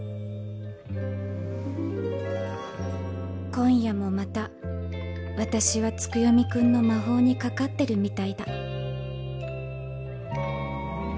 今夜もまた私は月読くんの魔法にかかってるみたいだ